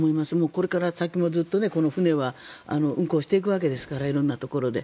これから先もずっとこの船は運航していくわけですから色んなところで。